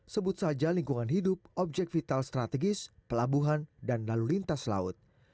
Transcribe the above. sebut saja lingkungan hidup objek vital strategis pelabuhan dan lalu lintas laut